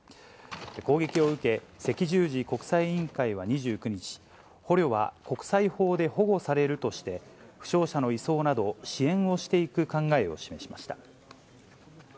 攻撃を受け、赤十字国際委員会は２９日、捕虜は国際法で保護されるとして、負傷者の移送など、支援をしていく考えを示しました。